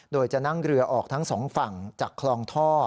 โดยจะนั่งเรือออกทั้งสองฝั่งจากคลองท่อ